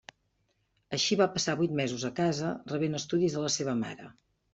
Així va passar vuit mesos a casa rebent estudis de la seva mare.